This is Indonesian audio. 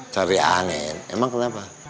cari aneh emang kenapa